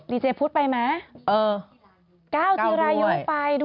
รีเจพุทธไปไหมเออก้าวทิรายุไปด้วย